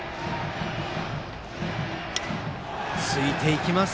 ついていきます。